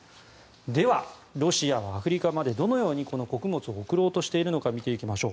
ではロシアはアフリカまでどのようにこの穀物を送ろうとしているのか見ていきましょう。